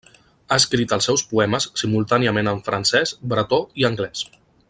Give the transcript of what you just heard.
Ha escrit els seus poemes simultàniament en francès, bretó i anglès.